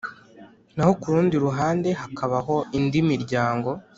naho ku rundi ruhande hakabaho indi miryango